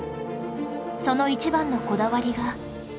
その一番のこだわりが